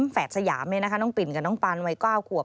แฝดสยามน้องปิ่นกับน้องปานวัย๙ขวบ